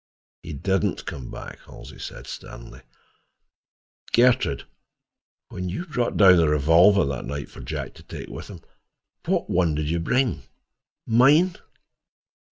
"He didn't come back," Halsey said sternly. "Gertrude, when you brought down a revolver that night for Jack to take with him, what one did you bring? Mine?"